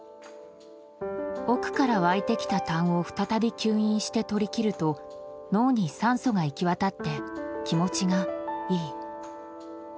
奥から湧いてきた淡を再び吸引して取りきると脳に酸素がいきわたって気持ちがいい。